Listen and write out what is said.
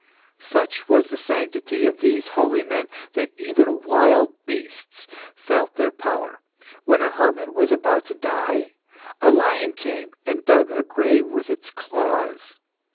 Such was the sanctity of these holy men that even wild beasts felt their power. When a hermit was about to die, a lion came and dug a grave with its claws.